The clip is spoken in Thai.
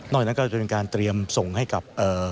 นอกจากนั้นก็เป็นการเตรียมส่งให้กับ